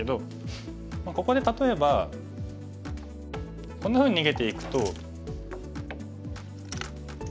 ここで例えばこんなふうに逃げていくと。